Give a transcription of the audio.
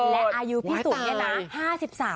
และอายุพี่สุนแล้วนะ